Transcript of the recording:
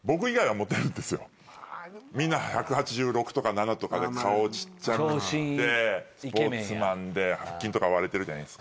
みんな１８６とか１８７とかで顔ちっちゃくってスポーツマンで腹筋とか割れてるじゃないですか。